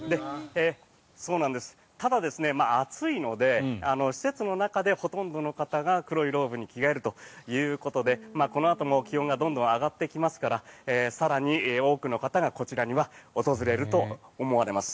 ただ、暑いので施設の中でほとんどの方が黒いローブに着替えるということでこのあとも気温がどんどん上がってきますから更に多くの方がこちらには訪れると思われます。